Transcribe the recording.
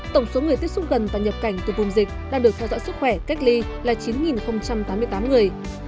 tổng số người tiếp xúc gần và nhập cảnh từ vùng dịch đang được theo dõi sức khỏe cách ly là chín tám mươi tám người